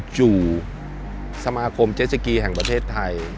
สู่สมาคมเจสสกีแห่งประเทศไทย